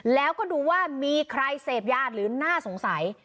แล้วก็ดูว่ามีใครเสพยาหรือน่าสงสัย